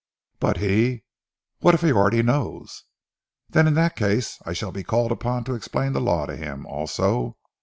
"But he but what if he already knows?" "Then in that case I shall be called upon to explain the law to him also!